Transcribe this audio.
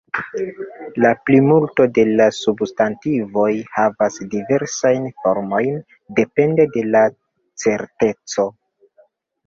La plimulto de la substantivoj havas diversajn formojn, depende de la "certeco".